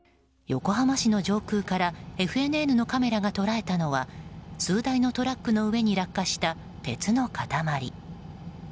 横浜市の上空からＦＮＮのカメラが捉えたのは数台のトラックの上に落下した鉄の塊。